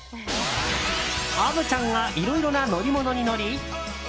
虻ちゃんがいろいろな乗り物に乗り